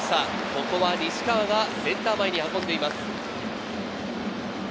ここは西川がセンター前に運んでいます。